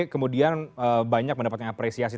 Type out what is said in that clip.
kemudian banyak mendapatkan apresiasi